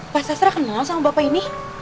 pak sastra kenal sama bapak ini